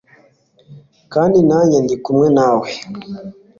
kandi nanjye ndi kumwe nawe